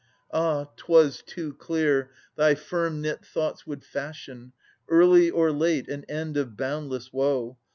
Ah! 'twas too clear thy firm knit thoughts would fashion, Early or late, an end of boundless woe